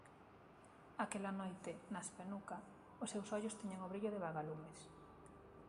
Aquela noite, na Espenuca, os seus ollos tiñan o brillo de vagalumes.